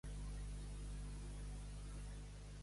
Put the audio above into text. Mall, mel, mill, molt, mul.